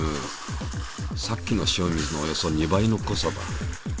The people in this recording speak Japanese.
さっきの塩水のおよそ２倍の濃さだ。